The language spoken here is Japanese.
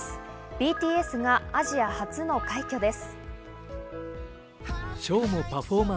ＢＴＳがアジア初の快挙です。